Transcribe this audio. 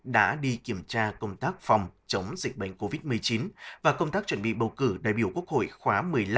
đã đi kiểm tra công tác phòng chống dịch bệnh covid một mươi chín và công tác chuẩn bị bầu cử đại biểu quốc hội khóa một mươi năm